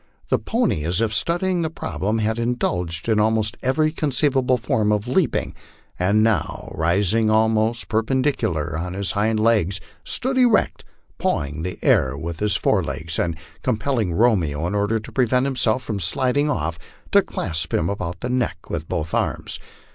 The pony, as if studying the problem, had indulged in almost every conceivable form of leaping, and now, rising almost perpen dicularly on his hind legs, stood erect, pawing the air with his fore legs, and compelling Romeo, in order to prevent himself from sliding off, to clasp him about the neck with both arms.